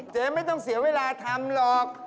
เจ๊ไม่ต้องเสียเวลาทำหรอก